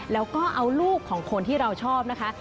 แล้วก็เอาลูกของคนที่เราชอบนะคะ